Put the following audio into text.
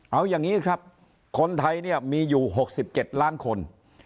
เอาอย่างนี้ครับคนไทยเนี่ยมีอยู่๖๗ล้านคน